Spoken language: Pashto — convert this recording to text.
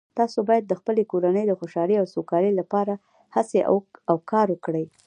تاسو باید د خپلې کورنۍ د خوشحالۍ او سوکالۍ لپاره هڅې او کار وکړئ